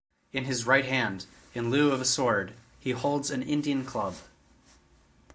In his right hand, in lieu of a sword, he holds an Indian club.